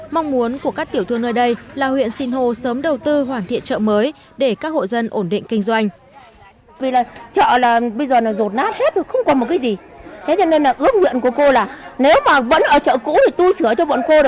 mong muốn của các tiểu thương nơi đây là huyện sinh hồ sớm đầu tư hoàn thiện chợ mới để các hộ dân ổn định kinh doanh